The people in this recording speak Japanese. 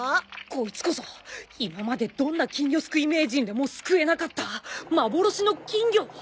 コイツこそ今までどんな金魚すくい名人でもすくえなかった幻の金魚。